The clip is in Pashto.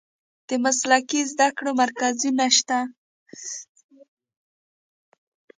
د مسلکي زده کړو مرکزونه شته؟